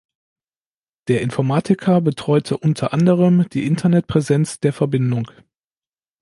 Der Informatiker betreute unter anderem die Internetpräsenz der Verbindung.